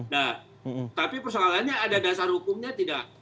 nah tapi persoalannya ada dasar hukumnya tidak